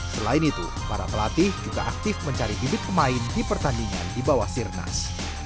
selain itu para pelatih juga aktif mencari bibit pemain di pertandingan di bawah sirnas